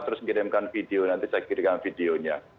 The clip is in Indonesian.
terus kirimkan video nanti saya kirimkan videonya